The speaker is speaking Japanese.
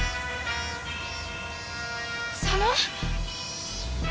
佐野？